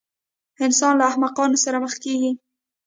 انسان له احمقانو سره مخ کېږي.